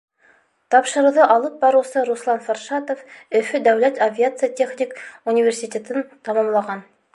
Тапшырыуҙы алып барыусы Руслан Фаршатов Өфө дәүләт авиация техник университетын тамамлаған.